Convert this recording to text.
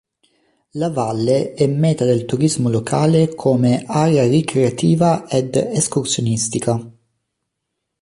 La valle è meta del turismo locale come area ricreativa ed escursionistica.